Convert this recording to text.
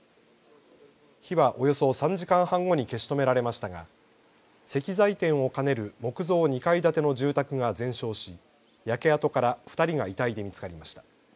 火はおよそ３時間半後に消し止められましたが石材店を兼ねる木造２階建ての住宅が全焼し、焼け跡から２人が遺体で見つかりました。